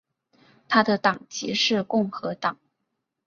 他的党籍是共和党。